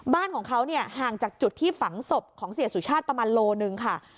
บ้านของเขาเนี่ยห่างจากจุดที่ฝังศพของเสียสุชาติประมาณโลหนึ่งค่ะ